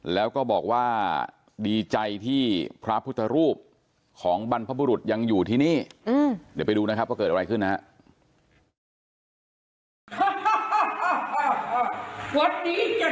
แล้วก็บอกว่าดีใจที่พระพุทธรูปของบรรพบุรุษยังอยู่ที่นี่เดี๋ยวไปดูนะครับว่าเกิดอะไรขึ้นนะครับ